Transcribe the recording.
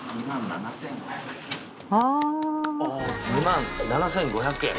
２万７，５００円。